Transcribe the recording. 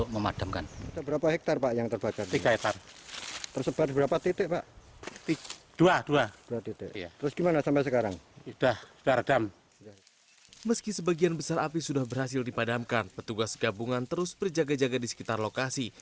meski sebagian besar api sudah berhasil dipadamkan petugas gabungan terus berjaga jaga di sekitar lokasi